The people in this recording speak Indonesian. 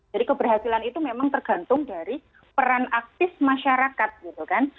jadi keberhasilan itu memang tergantung dari peran aktif masyarakat gitu kan